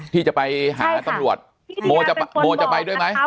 ที่จะไปหาตำรวจโมจะไปด้วยไหม